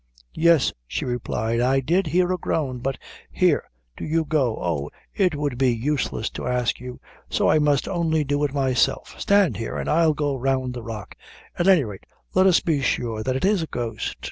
"Yes," she replied, "I did hear a groan; but here, do you go oh, it would be useless to ask you so I must only do it myself; stand here an' I'll go round the rock; at any rate let us be sure that it is a ghost."